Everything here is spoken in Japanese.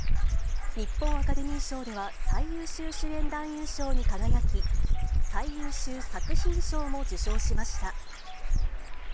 日本アカデミー賞では、最優秀主演男優賞に輝き、最優秀作品賞も受賞しました。